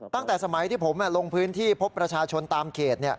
ตั้งแต่สมัยที่ผมลงพื้นที่พบประชาชนตามเขต